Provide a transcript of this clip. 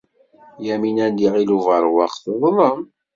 Yamina n Yiɣil Ubeṛwaq teḍlem.